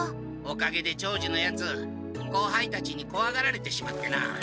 おかげで長次のヤツ後輩たちにこわがられてしまってな。